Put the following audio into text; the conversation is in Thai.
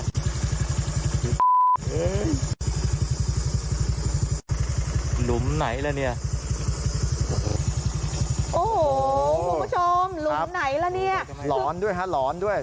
โอ้โหคุณผู้ชมหลุมไหนละเนี่ยร้อนด้วยร้อนด้วย